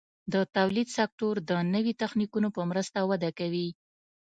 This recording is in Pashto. د تولید سکتور د نوي تخنیکونو په مرسته وده کوي.